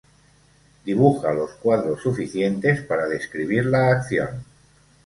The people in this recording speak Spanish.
Dibuja los cuadros suficientes para describir la acción.